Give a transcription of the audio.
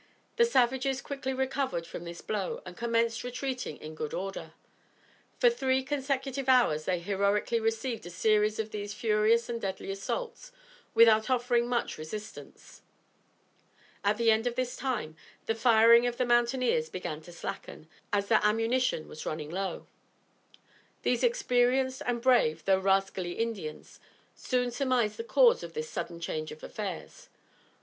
The savages quickly recovered from this blow and commenced retreating in good order. For three consecutive hours they heroically received a series of these furious and deadly assaults without offering much resistance. At the end of this time the firing of the mountaineers began to slacken, as their ammunition was running low. These experienced and brave, though rascally Indians, soon surmised the cause of this sudden change of affairs.